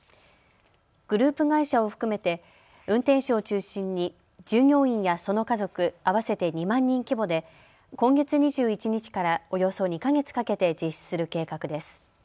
グループ会社を含めて運転手を中心に従業員やその家族合わせて２万人規模で今月２１日からおよそ２か月かけて実施する計画です。